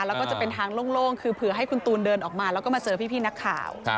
แล้วก็จะเป็นทางโล่งคือเผื่อให้คุณตูนเดินออกมาแล้วก็มาเจอพี่นักข่าว